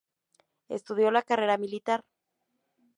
Estudió la carrera militar.